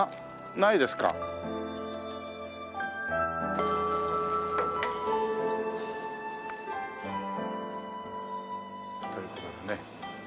ないですか？という事でね。